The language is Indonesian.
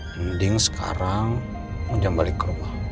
mending sekarang kamu jangan balik ke rumah